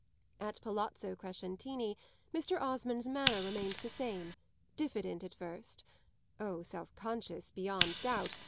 At Palazzo Crescentini Mr. Osmond's manner remained the same; diffident at first oh self conscious beyond doubt!